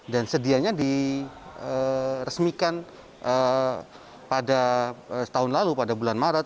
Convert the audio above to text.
dan sedianya diresmikan pada tahun lalu pada bulan maret